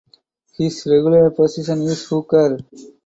His regular position is hooker.